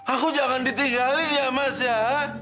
aku jangan ditinggalin ya mas ya